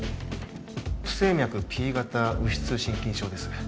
不整脈Ｐ型右室心筋症です